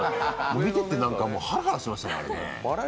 見てて、ハラハラしましたね、あれね。